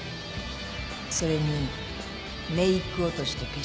それにメーク落としと化粧水。